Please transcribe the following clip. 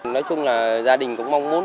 nói chung là gia đình cũng mong muốn